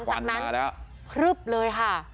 แล้วหลังจากนั้นคือรืบเลยค่ะ